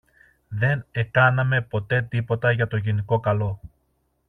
δεν εκάναμε ποτέ τίποτα για το γενικό καλό.